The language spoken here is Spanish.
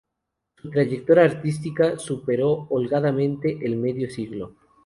Su trayectoria artística superó holgadamente el medio siglo.